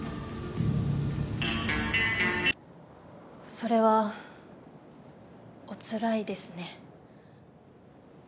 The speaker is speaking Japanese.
それはおつらいですね。